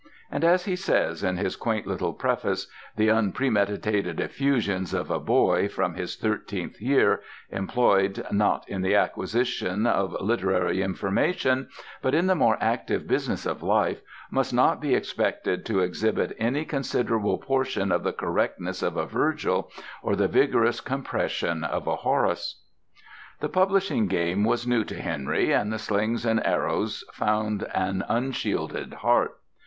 And as he says in his quaint little preface, "the unpremeditated effusions of a boy, from his thirteenth year, employed, not in the acquisition of literary information, but in the more active business of life, must not be expected to exhibit any considerable portion of the correctness of a Virgil, or the vigorous compression of a Horace." The publishing game was new to Henry, and the slings and arrows found an unshielded heart.